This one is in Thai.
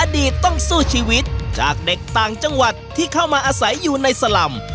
ต้องสู้ชีวิตจากเด็กต่างจังหวัดที่เข้ามาอาศัยอยู่ในสลำ